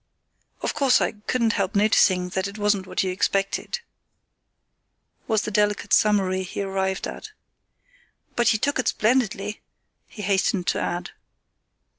"Of course I couldn't help noticing that it wasn't what you expected," was the delicate summary he arrived at. "But you took it splendidly," he hastened to add.